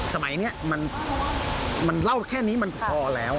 สมัยนี้มันเล่าแค่นี้มันพอแล้ว